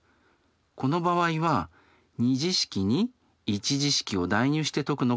この場合は２次式に１次式を代入して解くのが一般的です。